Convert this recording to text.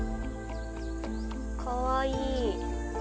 かわいい。